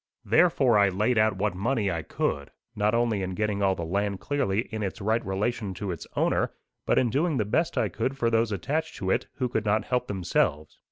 Therefore I laid out what money I could, not only in getting all the land clearly in its right relation to its owner, but in doing the best I could for those attached to it who could not help themselves.